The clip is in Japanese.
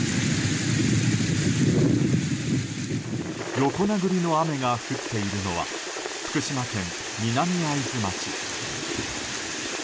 横殴りの雨が降っているのは福島県南会津町。